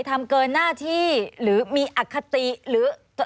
ทำเกินหน้าที่หรือมีอคติหรือ